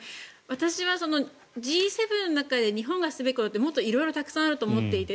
私はＧ７の中で日本がすべきことってもっと色々たくさんあると思っていて。